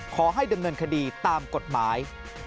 ขอให้ดำเนินคดีตามกฎหมาย